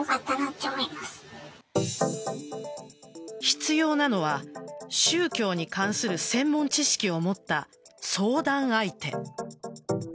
必要なのは宗教に関する専門知識を持った相談相手。